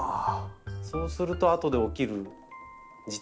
そうするとあとで起きる事態は。